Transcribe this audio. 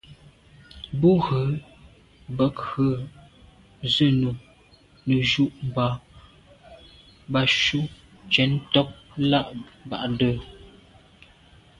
Bə̌k rə̌ zə̂nù nə́ jú’ mbā bɑ̀ cú cɛ̌d ntɔ́k lá bɑdə̂.